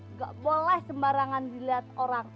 nggak boleh sembarangan dilihat orang